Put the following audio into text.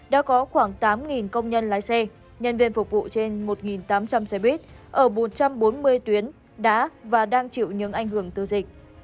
đã có khoảng tám công nhân lái xe nhân viên phục vụ trên một tám trăm linh xe buýt ở một trăm bốn mươi tuyến đã và đang chịu những ảnh hưởng từ dịch